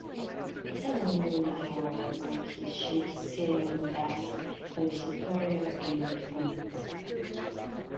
A sudden lull however made his ships sitting ducks for the superior English guns.